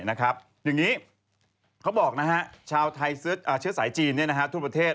อย่างนี้เขาบอกนะฮะชาวไทยเชื้อสายจีนทั่วประเทศ